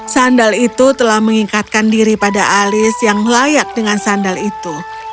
sandal itu telah mengikatkan diri pada alis yang layak dengan sandal itu